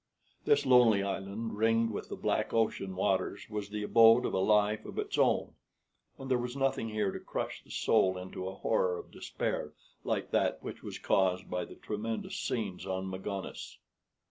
This lonely island, ringed with the black ocean waters, was the abode of a life of its own, and there was nothing here to crush the soul into a horror of despair like that which was caused by the tremendous scenes on Magones.